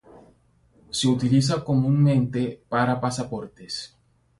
Se utiliza comúnmente para pasaportes.